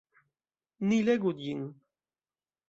Ni legu ĝin!